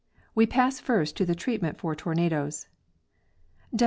We pass first to the treatment for tornadoes.